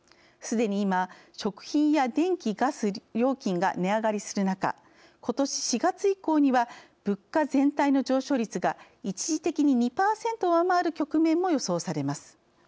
すでに今食品や電気・ガス料金が値上がりする中ことし４月以降には物価全体の上昇率が一時的に２％を上回る局面も予想されます。